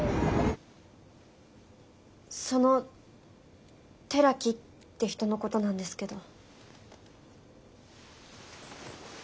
その寺木って人のことなんですけど。